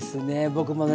僕もね